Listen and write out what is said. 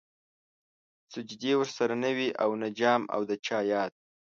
سجدې ورسره نه وې او نه جام او د چا ياد